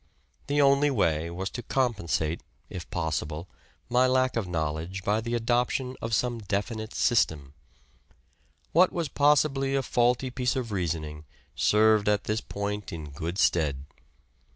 The only way was to compensate, if possible, my lack of know ledge by the adoption of some definite system. What was possibly a faulty piece of reasoning served at this point in good stead.